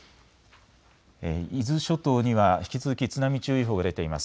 伊豆諸島には引き続き津波注意報が出ています。